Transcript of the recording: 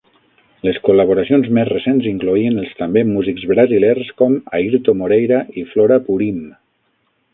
Les col·laboracions més recents incloïen els també musics brasilers com Airto Moreira i Flora Purim.